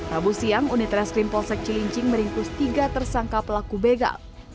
rabu siang unit reskrim polsek cilincing meringkus tiga tersangka pelaku begal